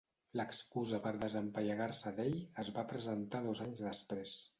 L'excusa per desempallegar-se d'ell es va presentar dos anys després.